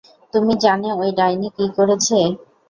তুমি জানে ওই ডাইনি কি করেছে?